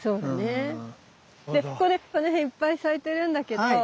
でこれこの辺いっぱい咲いてるんだけどこれはね